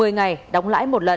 một mươi ngày đóng lãi một lần